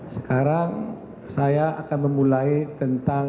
sekarang saya akan memulai tentang